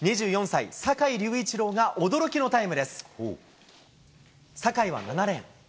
２４歳、坂井隆一郎が驚きのタイムです。